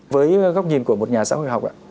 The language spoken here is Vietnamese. với góc nhìn của một nhà xã hội học